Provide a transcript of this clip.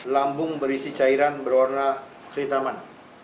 lambung berisi cairan berwarna kehitaman